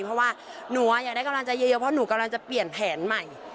เพราะว่าหนูอยากได้กำลังใจเยอะเพราะหนูกำลังจะเปลี่ยนแผนใหม่